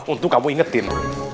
untung kamu ingetin